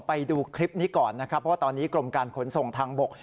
ไปดูคลิปนี้ก่อนนะครับเพราะว่าตอนนี้กรมการขนส่งทางบก